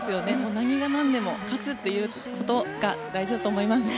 何が何でも勝つということが大事だと思います。